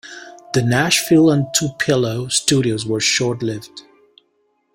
The Nashville and Tupelo studios were short-lived.